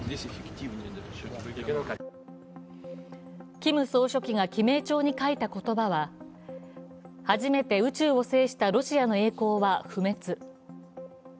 キム総書記が記名帳に書いた言葉は「初めて宇宙を制したロシアの栄光は不滅」。